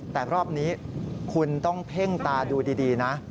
แต่รอบนี้คุณต้องเพ่งตาดูดีนะ